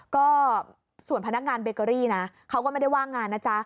ก็ส่วนพนักงานเบเกอรี่นะเขาก็ไม่ได้ว่างงานนะจ๊ะ